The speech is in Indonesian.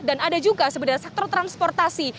ada juga sebenarnya sektor transportasi